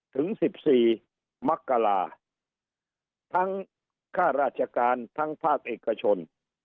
ถึง๑๔มกราทั้งค่าราชการทั้งภาคเอกชน